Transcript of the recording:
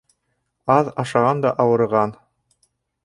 Аҙ ашаған да ауырыған